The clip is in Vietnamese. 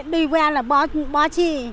đi qua là bỏ chi